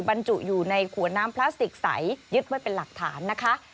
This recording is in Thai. บรรจุอยู่ในขวดน้ำพลาสติกใสยึดไว้เป็นหลักฐานนะคะ